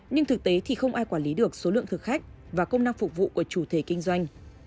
nhưng thực tế thì không ai quản lý được số lượng thực khách và công năng phục vụ của chủ thể kinh doanh